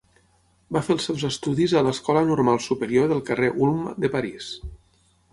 Va fer els seus estudis a l'Escola Normal Superior del carrer Ulm de París.